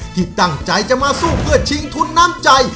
ที่ตั้งใจจะมาสู้เพื่อชิงทุนน้ำใจ